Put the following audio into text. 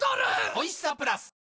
おいしさプラス